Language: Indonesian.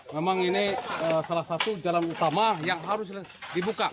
memang ini salah satu jalan utama yang harus dibuka